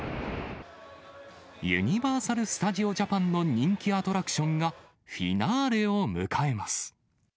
ユニバーサル・スタジオ・ジャパンの人気アトラクションが、フィナーレを迎えます。